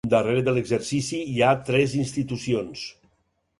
Darrere de l'exercici hi ha tres institucions.